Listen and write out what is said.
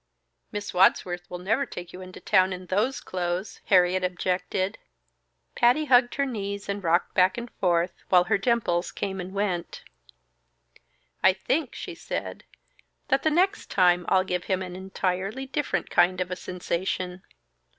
"Miss Wadsworth will never take you into town in those clothes," Harriet objected. Patty hugged her knees and rocked back and forth, while her dimples came and went. "I think," she said, "that the next time I'll give him an entirely different kind of a sensation."